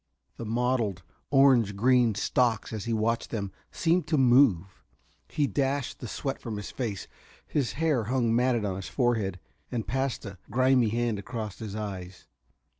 The mottled, orange green stalks, as he watched them, seemed to move. He dashed the sweat from his face his hair hung matted on his forehead and passed a grimy hand across his eyes.